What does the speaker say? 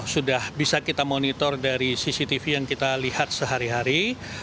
sudah bisa kita monitor dari cctv yang kita lihat sehari hari